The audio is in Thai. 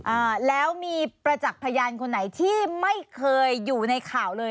อ่าแล้วมีประจักษ์พยานคนไหนที่ไม่เคยอยู่ในข่าวเลย